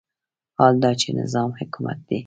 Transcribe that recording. حال دا چې نه نظام حکومت دی.